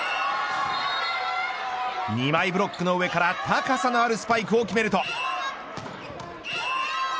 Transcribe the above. ２枚ブロックの上から高さのあるスパイクを決めると。